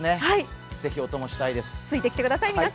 是非、お供したいです。